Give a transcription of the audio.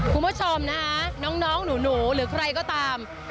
คุณผู้ชมนะคะน้องหนูหรือใครก็ตาม